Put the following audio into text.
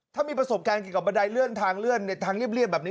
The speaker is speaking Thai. ถ้ามีประสบการณ์เกี่ยวกับบันไดเลื่อนทางเลื่อนในทางเรียบแบบนี้